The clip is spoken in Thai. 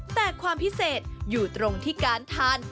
แต่ความพิเศษอยู่ตรงที่การทาน